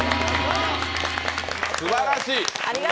すばらしい！